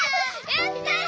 やった！